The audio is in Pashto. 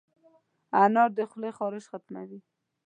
انار د خولې خارش ختموي.